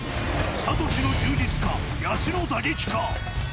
サトシの柔術か、矢地の打撃か。